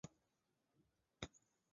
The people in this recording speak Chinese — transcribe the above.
校园位于名古屋市守山区。